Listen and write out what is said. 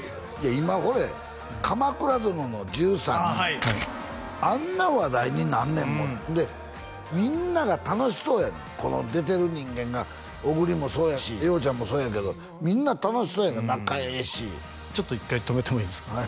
今これ「鎌倉殿の１３人」ああはいあんな話題になんねんもんでみんなが楽しそうやねんこの出てる人間が小栗もそうやし洋ちゃんもそうやけどみんな楽しそうやんか仲ええしちょっと一回止めてもいいですか？